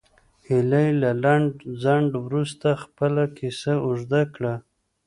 هیلې له لنډ ځنډ وروسته خپله کیسه اوږده کړه